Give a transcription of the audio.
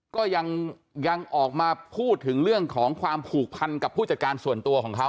ก็ยังออกมาพูดถึงเรื่องของความผูกพันกับผู้จัดการส่วนตัวของเขา